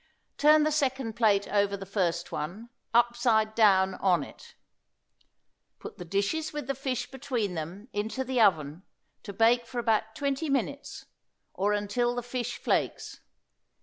Turn the second plate over the first one, upside down on it. Put the dishes with the fish between them into the oven to bake for about twenty minutes, or until the fish flakes.